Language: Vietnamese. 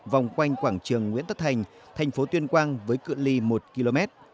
vòng quanh quảng trường nguyễn tất thành thành phố tuyên quang với cựa ly một km